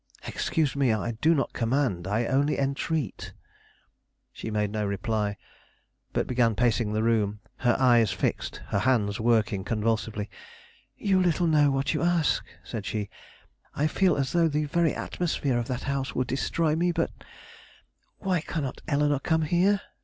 "Excuse me, I do not command; I only entreat." She made no reply, but began pacing the room, her eyes fixed, her hands working convulsively. "You little know what you ask," said she. "I feel as though the very atmosphere of that house would destroy me; but why cannot Eleanore come here?"